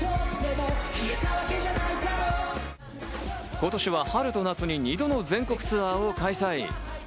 今年は春と夏に２度の全国ツアーを開催。